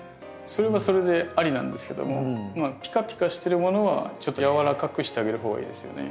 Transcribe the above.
それはそれでありなんですけどもまあピカピカしてるものはちょっとやわらかくしてあげる方がいいですよね。